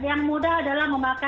yang mudah adalah mengakibatkan